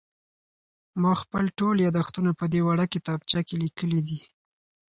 ما خپل ټول مهم یادښتونه په دې وړه کتابچه کې لیکلي دي.